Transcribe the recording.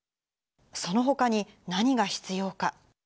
そのほかに何が必要か。